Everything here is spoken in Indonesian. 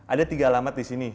ada tiga alamat di sini